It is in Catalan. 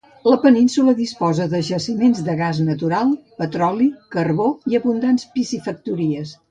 La península disposa de jaciments de gas natural, petroli, carbó i abundants piscifactories.